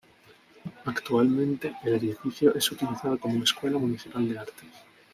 Actualmente el edificio es utilizado como escuela municipal de artes.